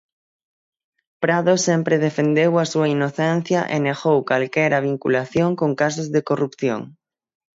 Prado sempre defendeu a súa inocencia e negou calquera vinculación con casos de corrupción.